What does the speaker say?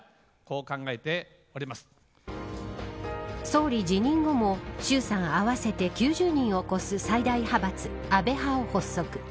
総理辞任後も衆参合わせて９０人を超す最大派閥、安倍派を発足。